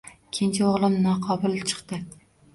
Kenja o`g`lim noqobil chiqdi